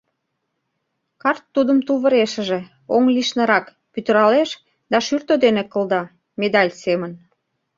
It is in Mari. Карт тудым тувырешыже, оҥ лишнырак, пӱтыралеш да шӱртӧ дене кылда — медаль семын.